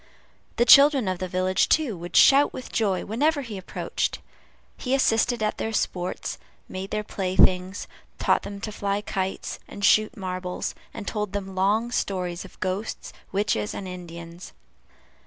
The children of the village, too, would shout with joy whenever he approached. He assisted at their sports, made their playthings, taught them to fly kites and shoot marbles, and told them long stories of ghosts, witches, and Indians.